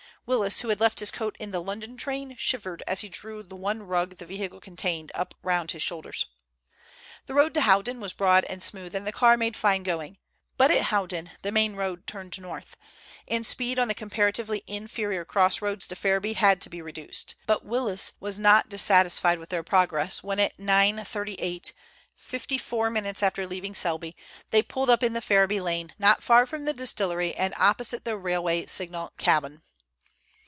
Willis, who had left his coat in the London train, shivered as he drew the one rug the vehicle contained up round his shoulders. The road to Howden was broad and smooth, and the car made fine going. But at Howden the main road turned north, and speed on the comparatively inferior cross roads to Ferriby had to be reduced. But Willis was not dissatisfied with their progress when at 9.38, fifty four minutes after leaving Selby, they pulled up in the Ferriby lane, not far from the distillery and opposite the railway signal cabin.